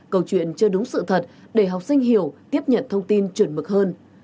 câu chuyện chưa đúng sự thật để học sinh hiểu tiếp nhận thông tin chuẩn mực hơn